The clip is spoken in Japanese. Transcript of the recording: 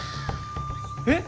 えっ！？